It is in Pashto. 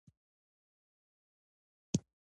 سوړسک، زمری، طوطی خان، طوطي ګل، سمندر، طوفان